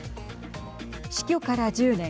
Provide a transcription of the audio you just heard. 死去から１０年。